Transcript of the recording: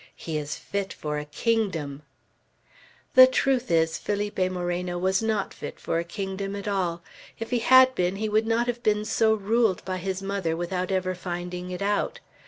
He is fit for a kingdom!" The truth is, Felipe Moreno was not fit for a kingdom at all. If he had been, he would not have been so ruled by his mother without ever finding it out.